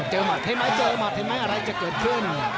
เห็นไหมอะไรจะเกิดขึ้น